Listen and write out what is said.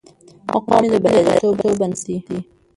مقاومت مې د بریالیتوب بنسټ دی.